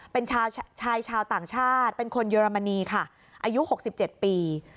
เป็นชายชาวต่างชาติเป็นคนเยอรมนีค่ะอายุ๖๗ปี